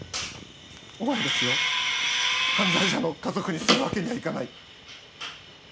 お前たちを犯罪者の家族にするわけにはいかない。